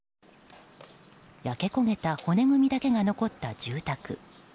焼け焦げた骨組みだけが残った住宅。